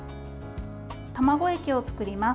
卵液を作ります。